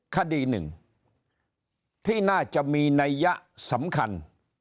คดีหนึ่งที่น่าจะมีนัยยะสำคัญ